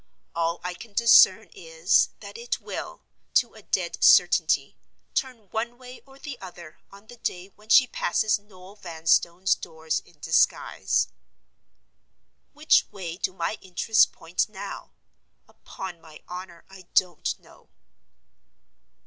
All I can discern is, that it will, to a dead certainty, turn one way or the other on the day when she passes Noel Vanstone's doors in disguise. Which way do my interests point now? Upon my honor, I don't know.